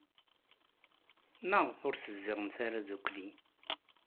Maɣef ur tezdiɣemt ara ddukkli?